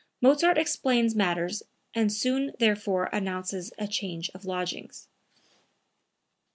Mozart explains matters and soon thereafter announces a change of lodgings.)